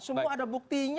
semua ada buktinya